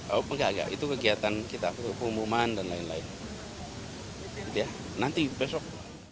oh enggak enggak itu kegiatan kita pengumuman dan lain lain nanti besok